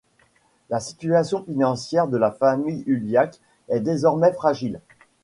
La situation financière de la famille Ulliac est désormais fragile.